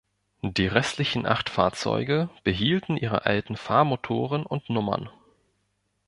Die restlichen acht Fahrzeuge behielten ihre alten Fahrmotoren und Nummern.